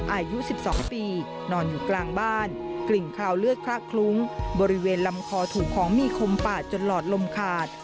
อายุ๑๒ปีนอนอยู่กลางบ้านกลิ่นคราวเลือดคละคลุ้งบริเวณลำคอถูกของมีคมปาดจนหลอดลมขาด